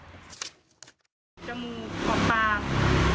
จมูกออกปาก